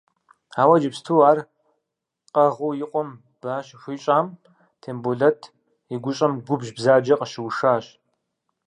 Ауэ иджыпсту ар къэгъыу и къуэм ба щыхуищӏам, Тембулэт и гущӏэм губжь бзаджэ къыщыушащ.